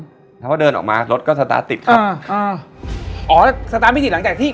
แล้วก็เดินออกมารถก็สตาร์ทติดครับอ่าอ่าอ๋อสตาร์ทไม่ติดหลังจากที่